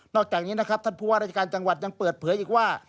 อกจากนี้นะครับท่านผู้ว่าราชการจังหวัดยังเปิดเผยอีกว่า